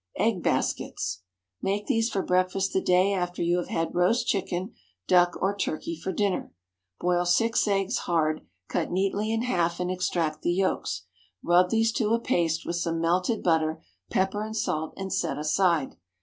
EGG BASKETS. ✠ Make these for breakfast the day after you have had roast chicken, duck, or turkey for dinner. Boil six eggs hard, cut neatly in half and extract the yolks. Rub these to a paste with some melted butter, pepper, and salt, and set aside.